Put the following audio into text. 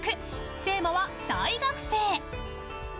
テーマは大学生。